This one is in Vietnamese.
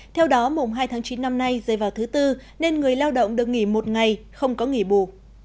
theo đó mùng hai tháng chín năm nay rơi vào thứ tư nên người lao động được nghỉ một ngày không có nghỉ bù